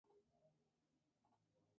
Harvard University Press, Cambridge, Mass.